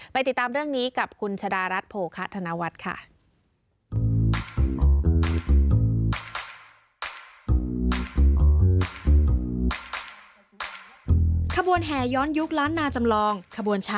ติดตามเรื่องนี้กับคุณชะดารัฐโภคะธนวัฒน์ค่ะ